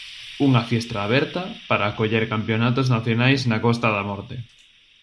Unha fiestra aberta para acoller campionatos nacionais na Costa da Morte.